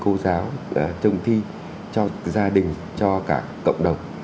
cho các giáo trong thi cho gia đình cho cả cộng đồng